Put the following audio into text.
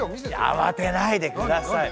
あわてないでください。